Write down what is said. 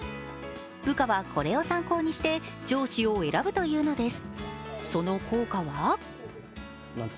部下はこれを参考にして上司を選ぶというのです。